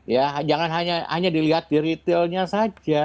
ya jangan hanya dilihat di retailnya saja